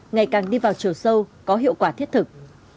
ngày càng đi vào chiều sâu có hiệu quả thiết thực